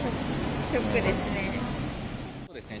ショックですね。